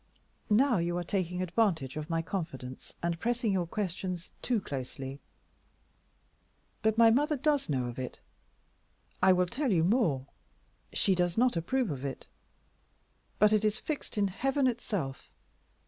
"Now you are taking advantage of my confidence, and pressing your questions too closely. But my mother does know of it. I will tell you more; she does not approve of it. But it is fixed in Heaven itself.